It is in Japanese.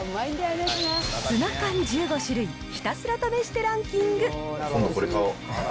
ツナ缶１５種類ひたすら試してランキング。